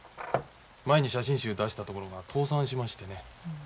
前に写真集出した所が倒産しましてね。